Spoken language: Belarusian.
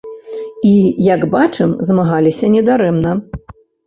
І, як бачым, змагаліся не дарэмна.